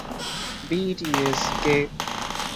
তাকে দয়ালু ও দাতব্য হিসাবে বর্ণনা করা হয়েছিল।